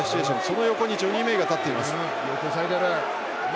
その横にジョニー・メイが立っています。